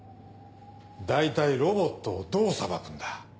大体ロボットをどう裁くんだ？